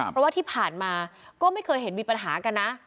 เพราะว่าที่ผ่านมาก็ไม่เคยเห็นมีปัญหากันนะ